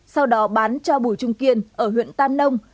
sau đó bán cho bùi trung kiên ở huyện tam nông